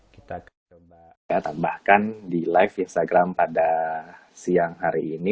kita akan coba tambahkan di live instagram pada siang hari ini